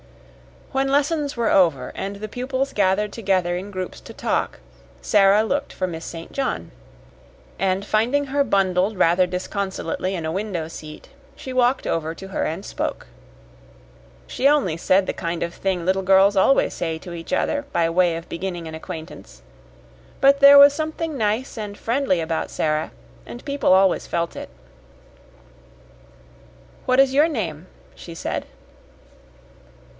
When lessons were over and the pupils gathered together in groups to talk, Sara looked for Miss St. John, and finding her bundled rather disconsolately in a window seat, she walked over to her and spoke. She only said the kind of thing little girls always say to each other by way of beginning an acquaintance, but there was something friendly about Sara, and people always felt it. "What is your name?" she said.